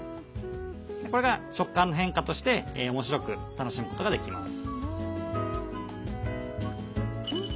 これが食感の変化として面白く楽しむことができます。